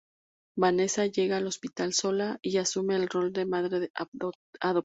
Vanessa llega al hospital sola y asume el rol de madre adoptiva.